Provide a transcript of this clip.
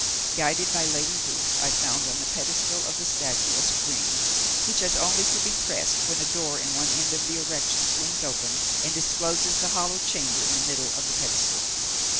Guided by Lady Ruth, I found on the pedestal of the statue a spring, which has only to be pressed when a door in one end of the erection swings open, and discloses the hollow chamber in the middle of the pedestal.